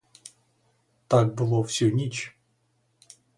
Так було всю ніч.